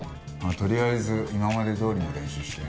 とりあえず今までどおりの練習して。